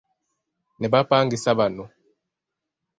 Ne bapangisa banno.